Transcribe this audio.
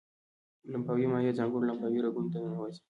لمفاوي مایع ځانګړو لمفاوي رګونو ته ننوزي.